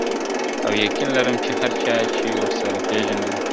او یقین لرم چي هر چا چي ورسره پېژندل `